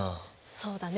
そうだね！